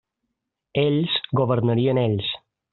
Ells, governarien ells.